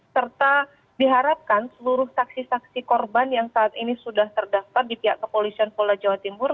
serta diharapkan seluruh saksi saksi korban yang saat ini sudah terdaftar di pihak kepolisian polda jawa timur